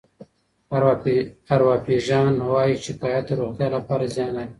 ارواپيژان وايي شکایت د روغتیا لپاره زیان لري.